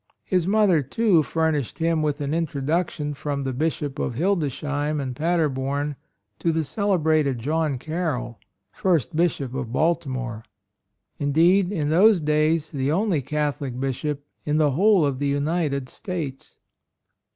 His mother, too, furnished him with an introduction from the Bishop of Hildesheim and Paderborn to the celebrated John Carroll, first Bishop of Baltimore, — indeed in those days the only AND MOTHER. 47 Catholic bishop in the whole of the United States.